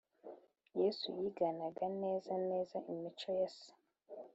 Yesu yiganaga neza neza imico ya se